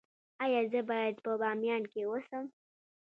ایا زه باید په بامیان کې اوسم؟